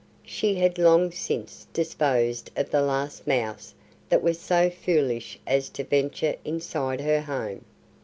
She had long since disposed of the last mouse that was so foolish as to venture inside her home.